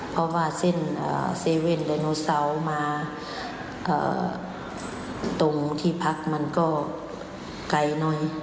เพราะว่าเส้นเซเว่นไดโนเสาร์มาตรงที่พักมันก็ไกลหน่อย